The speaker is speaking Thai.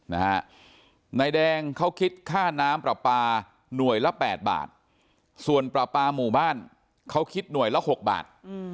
นายแดงเขาคิดค่าน้ำปลาปลาหน่วยละแปดบาทส่วนปลาปลาหมู่บ้านเขาคิดหน่วยละ๖บาท